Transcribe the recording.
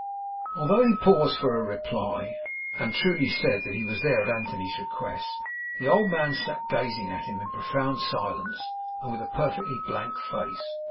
Although he paused for a reply, and truly said that he was there at Anthony's request, the old man sat gazing at him in profound silence and with a perfectly blank face.